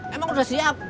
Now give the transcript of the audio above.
emang udah siap